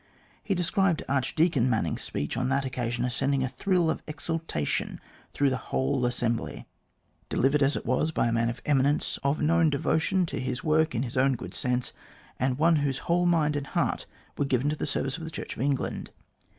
He described Archdeacon Manning's speech on that occasion as sending a thrill of exaltation through the whole assembly, delivered as it was by a man of eminence, of known devotion to his work in his own sense, and one whose whole mind and heart were then given to the service of the Church of England.